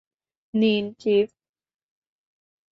নিন, চিফ।